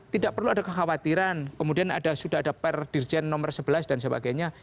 tidak perlu ada kekhawatiran kemudian sudah ada per dirjen nomor sebelas dan sebagainya